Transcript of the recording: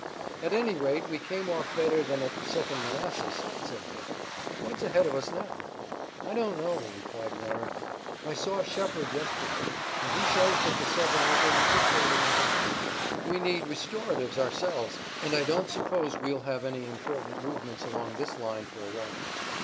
"At any rate we came off better than at the Second Manassas," said Dick. "What's ahead of us now?" "I don't know," replied Warner. "I saw Shepard yesterday, and he says that the Southerners are recuperating in Virginia. We need restoratives ourselves, and I don't suppose we'll have any important movements along this line for a while."